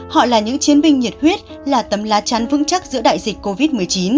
họ là những chiến binh nhiệt huyết là tấm lá chắn vững chắc giữa đại dịch covid một mươi chín